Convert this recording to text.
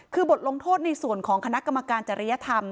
คือบทลงโทษในส่วนของคณะกรรมการจริยธรรม